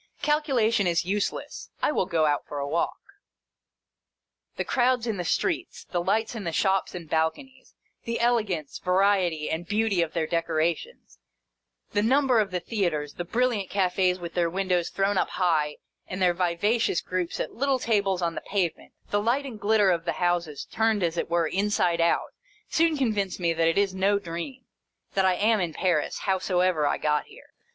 Calculation is useless. I will go out for a walk. The crowds in the streets, the lights in the shops and balconies, the elegance, variety, and beauty of their decorations, the number of the theatres, the brilliant cafes with their win dows thrown up high and their vivacious groups at little tables on the pavement, the light and glitter of the houses turned as it were inside out, soon convince me that it is no dream ; that I am in Paris, howsoever I got here.